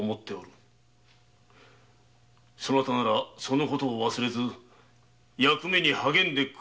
そなたならその事を忘れず役目に励もう。